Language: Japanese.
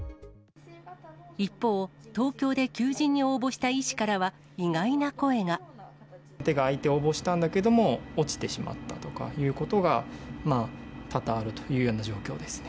一方、東京で求人に応募した医師からは、手が空いて応募したんだけども、落ちてしまったとかいうことが、多々あるというような状況ですね。